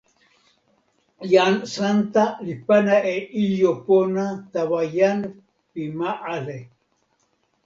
jan Santa li pana e ijo pona tawa jan pi ma ale.